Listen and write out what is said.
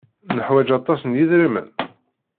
Neḥwaj aṭas n yidrimen?